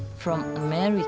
hai nama gua ipryt